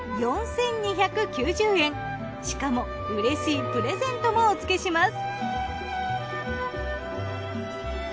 しかもうれしいプレゼントもお付けします。